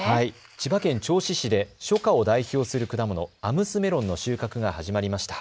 千葉県銚子市で初夏を代表する果物、アムスメロンの収穫が始まりました。